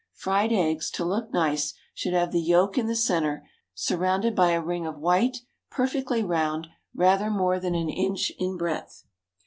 Fried eggs, to look nice, should have the yolk in the centre, surrounded by a ring of white, perfectly round, rather more than an inch in breadth.